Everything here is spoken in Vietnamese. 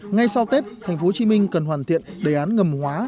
ngay sau tết thành phố hồ chí minh cần hoàn thiện đề án ngầm hóa